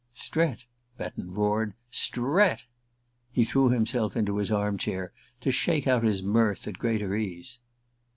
"Strett?" Betton roared. "_ Strett?_" He threw himself into his arm chair to shake out his mirth at greater ease.